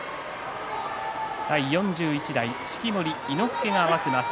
第４１代式守伊之助が合わせます。